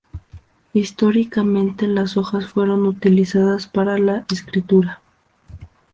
Históricamente, las hojas fueron utilizadas para la escritura.